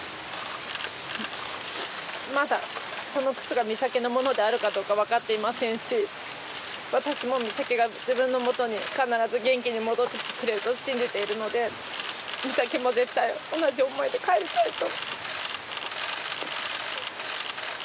まだその靴が美咲のものであるかどうか分かっていませんし私も美咲が自分の元に必ず元気に戻ってきてくれると信じているので美咲も絶対同じ思いで帰りたいと。